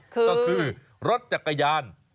ก็คือรถจักรยาน